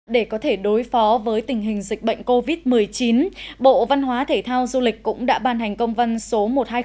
để có thể đối phó với tình hình dịch bệnh covid một mươi chín bộ văn hóa thể thao du lịch cũng đã ban hành công văn số một nghìn hai trăm linh năm